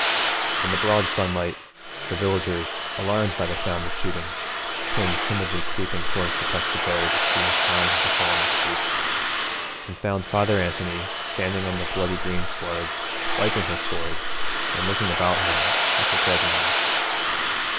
In the broad sunlight, the villagers, alarmed by the sound of shooting, came timidly creeping towards the presbytery to see if harm had befallen the priest, and found Father Anthony standing on the bloody green sward wiping his sword and looking about him at the dead men.